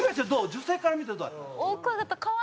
女性から見てどうだった？